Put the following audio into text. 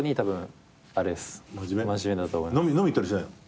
飲みに行ったりしないの？